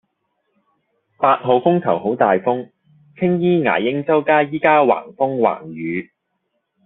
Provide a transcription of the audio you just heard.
八號風球好大風，青衣牙鷹洲街依家橫風橫雨